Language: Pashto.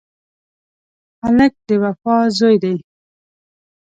هلک د وفا زوی دی.